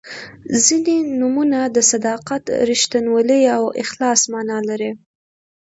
•ځینې نومونه د صداقت، رښتینولۍ او اخلاص معنا لري.